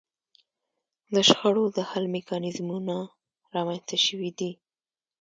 د شخړو د حل میکانیزمونه رامنځته شوي دي